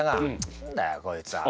何だよこいつは」。